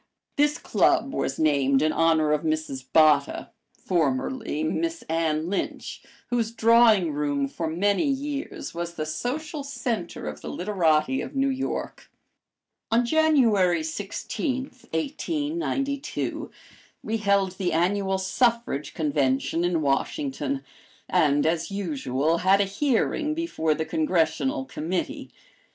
This club was named in honor of Mrs. Botta, formerly Miss Anne Lynch, whose drawing room for many years was the social center of the literati of New York. On January 16, 1892, we held the Annual Suffrage Convention in Washington, and, as usual, had a hearing before the Congressional Committee.